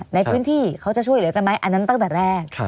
ในพื้นที่เขาจะช่วยเหลือกันไหมอันนั้นตั้งแต่แรก